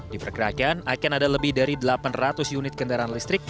diperkirakan akan ada lebih dari delapan ratus unit kendaraan listrik